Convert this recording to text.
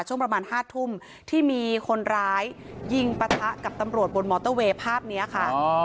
ช่วงประมาณ๕ทุ่มที่มีคนร้ายยิงปะทะกับตำรวจบนมอเตอร์เวย์ภาพนี้ค่ะ